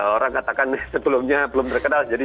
orang katakan sebelumnya belum terkenal